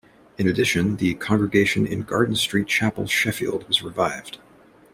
In addition, the congregation in Garden Street chapel, Sheffield, was revived.